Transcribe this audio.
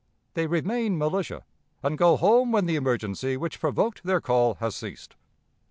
They remain militia, and go home when the emergency which provoked their call has ceased.